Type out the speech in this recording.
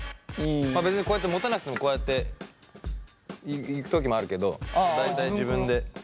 別にこうやって持たなくてもこうやっていく時もあるけど大体自分で。